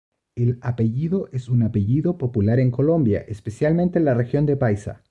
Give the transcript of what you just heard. El apellido es un apellido popular en Colombia, especialmente en la región de Paisa.